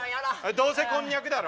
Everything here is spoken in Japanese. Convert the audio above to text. どうせこんにゃくだろ。